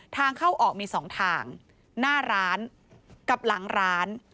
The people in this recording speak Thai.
ทางเข้าออกมี๒ทางหน้าร้านกับหลังร้าน